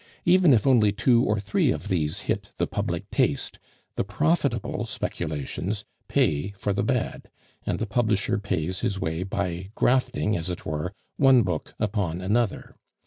Even if only two or three of these hit the public taste, the profitable speculations pay for the bad, and the publisher pays his way by grafting, as it were, one book upon another.